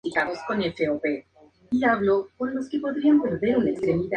Sin embargo, este pacto solo sería efectivo para dichas elecciones municipales.